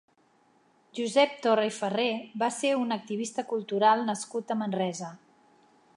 Josep Torra i Ferrer va ser un activista cultural nascut a Manresa.